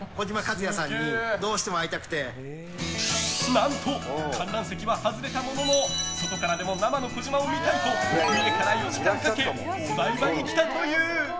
何と、観覧席は外れたものの外からでも生の児嶋を見たいと三重から４時間かけお台場に来たという。